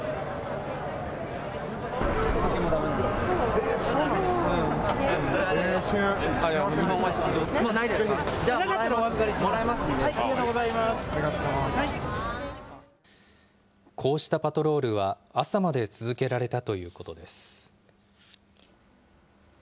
こうしたパトロールは、朝まで続けられたということです。